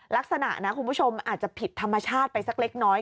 ลักษณะนะคุณผู้ชมอาจจะผิดธรรมชาติไปสักเล็กน้อย